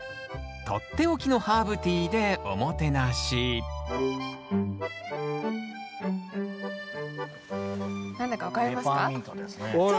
取って置きのハーブティーでおもてなし何だか分かりますか？